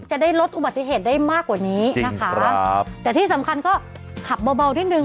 จะได้ลดอุบัติเหตุได้มากกว่านี้นะคะครับแต่ที่สำคัญก็ขับเบานิดนึง